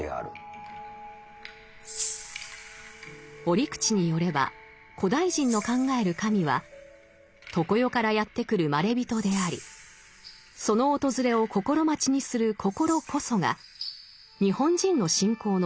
折口によれば古代人の考える神は常世からやって来るまれびとでありその訪れを心待ちにする心こそが日本人の信仰の原型だといいます。